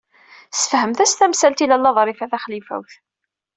Sfehment-as tamsalt i Lalla Ḍrifa Taxlifawt.